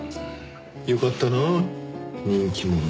よかったな人気者で。